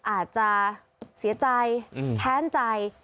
อาจจะเสียใจแค้นใจ